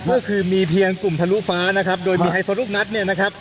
ก็คือมีเพียงกลุ่มทะลุฟ้านะครับโดยมีไฮโซลูกนัดเนี่ยนะครับ